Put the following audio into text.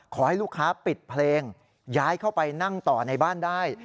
ขอให้ลูกค้าปิดเพลงย้ายเข้าไปนั่งต่อในบ้านได้